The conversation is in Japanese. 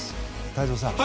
太蔵さん